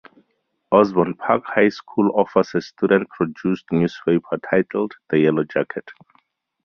Osbourn Park High School offers a student produced newspaper titled, "The Yellow Jacket".